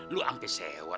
lu ampe sewa